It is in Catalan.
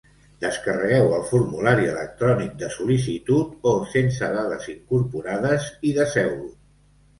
Descarregueu el formulari electrònic de sol·licitud o sense dades incorporades i deseu-lo.